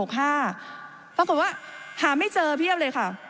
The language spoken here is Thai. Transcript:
ปรากฏว่าหาไม่เจอเพียบเลยค่ะ